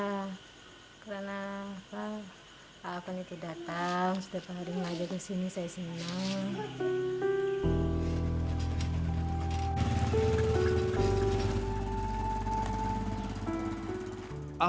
karena pak afan itu datang sudah hari hari lagi ke sini saya senang